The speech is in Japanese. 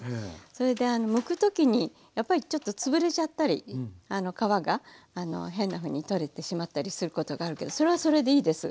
それでむく時にやっぱりちょっと潰れちゃったり皮が変なふうに取れてしまったりすることがあるけどそれはそれでいいです。